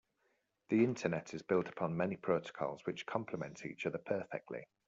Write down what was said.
The internet is built upon many protocols which compliment each other perfectly.